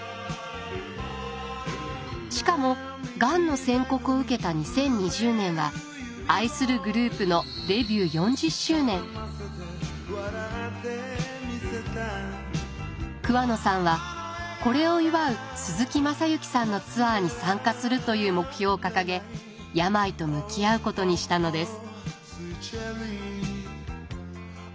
しかもがんの宣告を受けた２０２０年は愛するグループの桑野さんはこれを祝う鈴木雅之さんのツアーに参加するという目標を掲げ病と向き合うことにしたのです。